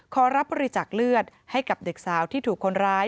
ขอรับบริจาคเลือดให้กับเด็กสาวที่ถูกคนร้าย